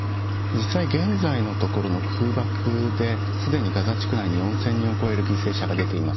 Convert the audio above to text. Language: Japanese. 実際、現在のところの空爆で、すでにガザ地区内４０００人を超える犠牲者が出ています。